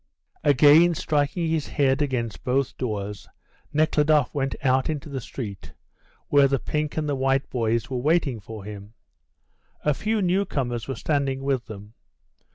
Again striking his head against both doors, Nekhludoff went out into the street, where the pink and the white boys were waiting for him. A few newcomers were standing with them.